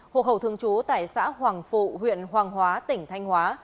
hồ khẩu thương chú tại xã hoàng phụ huyện hoàng hóa tỉnh thanh hóa